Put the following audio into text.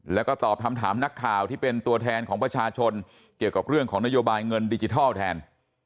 แล้วก็ตอบคำถามนักข่าวที่เป็นตัวแทนของประชาชนเกี่ยวกับเรื่องของนโยบายเงินดิจิทัลแทน